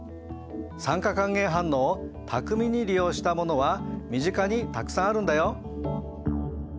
酸化還元反応を巧みに利用したものは身近にたくさんあるんだよ。